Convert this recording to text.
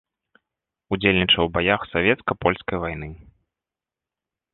Удзельнічаў у баях савецка-польскай вайны.